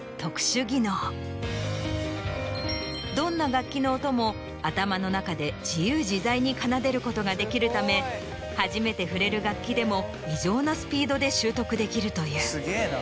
どんな楽器の音も頭の中で自由自在に奏でることができるため初めて触れる楽器でも異常なスピードで習得できるという。